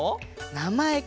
なまえか。